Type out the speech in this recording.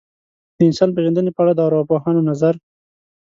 د انسان پېژندنې په اړه د ارواپوهانو نظر.